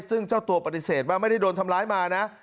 ซึ่งเจ้าตัวปฏิเสธว่าไม่ได้โดนทำร้ายมานะ